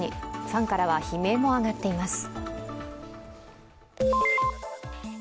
ファンからは悲鳴も上がっています。